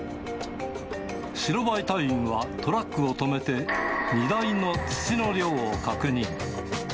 白バイ隊員はトラックを止めて、荷台の土の量を確認。